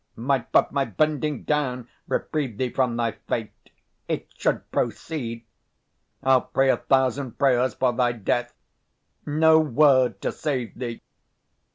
Might but my bending down Reprieve thee from thy fate, it should proceed: I'll pray a thousand prayers for thy death, No word to save thee.